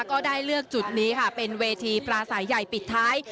ก็ได้เลือกจุดนี้ค่ะเป็นเวทีปลาสายใหญ่ปิดท้าย